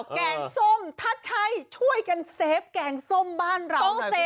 แกงส้มถ้าใช่ช่วยกันเซฟแกงส้มบ้านเราหน่อยคุณผู้ชม